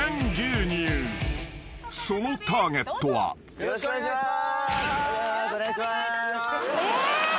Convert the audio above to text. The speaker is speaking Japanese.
よろしくお願いします。